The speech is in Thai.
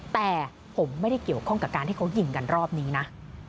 แต่ผมไม่ได้เกี่ยวข้องกับการที่เขายิงกันรอบนี้นะ